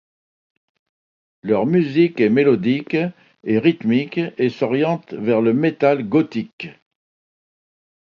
Leur musique est mélodique et rythmique et s'oriente vers le metal gothique.